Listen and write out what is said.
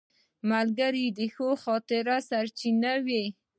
ملګری د ښو خاطرو سرچینه وي